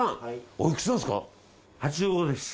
おいくつなんですか？